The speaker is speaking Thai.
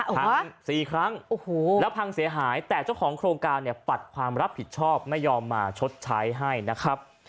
ทั้ง๔ครั้งแล้วพังเสียหายแต่เจ้าของโครงการเนี่ยปัดความรับผิดชอบไม่ยอมมาชดใช้ให้นะครับ